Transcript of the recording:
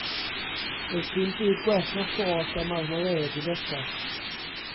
Does dim byd gwell na thost a marmalêd i frecwast.